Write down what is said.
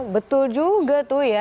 betul juga tuh ya